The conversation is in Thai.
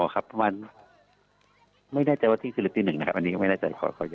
อ๋อครับประมาณไม่แน่ใจว่าที่ศูนย์หรือตีหนึ่งนะครับอันนี้ไม่แน่ใจขออนุญาต